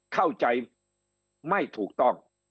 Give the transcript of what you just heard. เข้าใจไม่ถูกต้อง